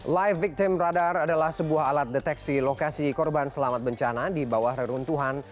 live victim radar adalah sebuah alat deteksi lokasi korban selamat bencana di bawah reruntuhan